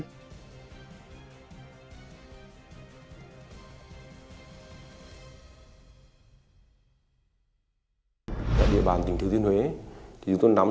cơ quan cảnh sát điều tra công an thành phố nam định tìm đến nơi thì hán lại lặn mất tâm